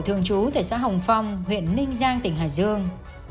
thường trú tại xã hồng phong huyện ninh giang tỉnh hải dương